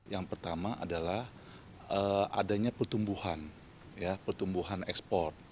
yang pertama adalah adanya pertumbuhan ekspor